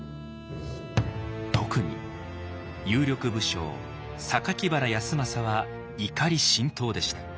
特に有力武将原康政は怒り心頭でした。